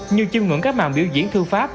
như chim ngưỡng các màn biểu diễn thư pháp